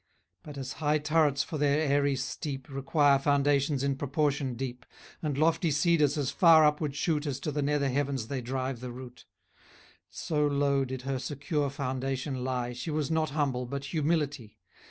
But as high turrets for their airy steep Require foundations in proportion deep, And lofty cedars as far upward shoot As to the nether heavens they drive the root; So low did her secure foundation lie, She was not humble, but humility.